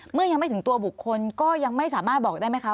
เมื่อยังไม่ถึงตัวบุคคลก็ยังไม่สามารถบอกได้ไหมคะ